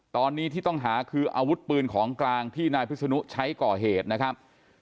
ตอนนี้ที่ต้องหาคืออาวุธปืนของกลางที่นายพิศนุใช้ก่อเหตุนะครับ